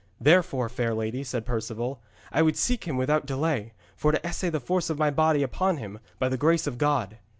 'Therefore, fair lady,' said Perceval, 'I would seek him without delay, for to essay the force of my body upon him, by the grace of God.'